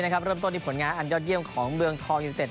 วันนี้เริ่มต้นอีกผลงานอันยอดเยี่ยมของเมืองทองอีทธิแตด